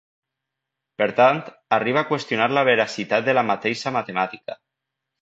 Per tant, arriba a qüestionar la veracitat de la mateixa matemàtica.